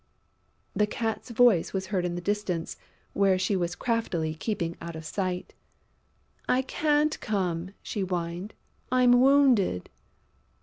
The Cat's voice was heard in the distance, where she was craftily keeping out of sight: "I can't come!" she whined. "I'm wounded!"